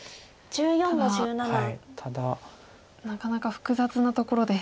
ただなかなか複雑なところで。